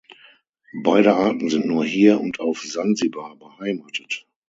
Beide Arten sind nur hier und auf Sansibar beheimatet.